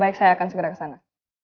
baik saya akan segera ke sana